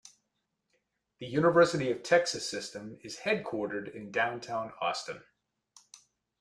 The University of Texas System is headquartered in Downtown Austin.